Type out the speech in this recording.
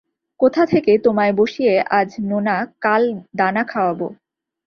কোথা থেকে তোমায় বসিয়ে আজ নোনা কাল দানা খাওয়াব?